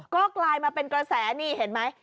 ก็กลายมาเป็นกระแสนี่เห็นไหม